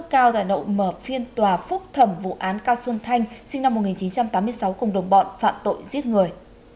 phúc cao đã nộp phiên tòa phúc thẩm vụ án cao xuân thanh sinh năm một nghìn chín trăm tám mươi sáu cùng đồng bọn phạm tội giết người